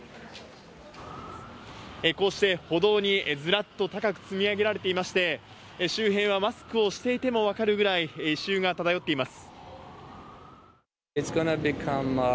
こうして歩道にずらっと高く積み上げられていまして、周辺はマスクをしていても分かるぐらい、異臭が漂っています。